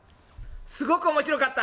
「すごく面白かった。